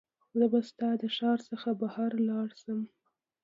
زه به سبا د ښار څخه بهر لاړ شم.